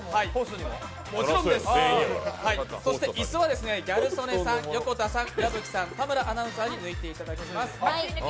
椅子はギャル曽根さん、横田さん、矢吹さん、田村アナウンサーに抜いていただきます。